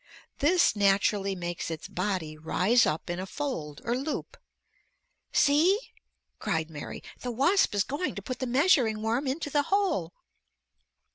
This naturally makes its body rise up in a fold or loop. "See," cried Mary, "the wasp is going to put the measuring worm into the hole."